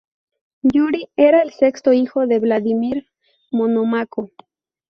Yuri era el sexto hijo de Vladímir Monómaco.